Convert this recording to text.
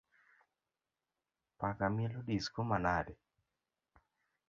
Paka mielo disko manade?